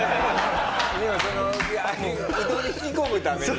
でもそのうどんに引き込むために。